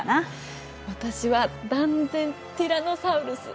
私は断然ティラノサウルス！